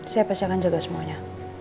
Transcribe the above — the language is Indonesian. saya pasti akan jaga semuanya